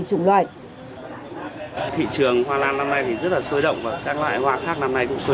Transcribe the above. chủng loại thị trường hoa lan năm nay thì rất là sôi động và các loại hoa khác năm nay cũng sôi